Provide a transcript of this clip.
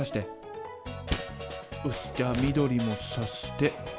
よしじゃあ緑もさして。